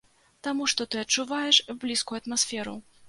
Таму што ты адчуваеш блізкую атмасферу.